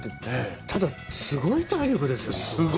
ただ、すごい体力ですね。